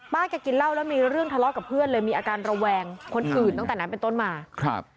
แกกินเหล้าแล้วมีเรื่องทะเลาะกับเพื่อนเลยมีอาการระแวงคนอื่นตั้งแต่นั้นเป็นต้นมาครับ